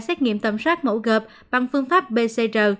xét nghiệm tầm sát mẫu gợp bằng phương pháp bcr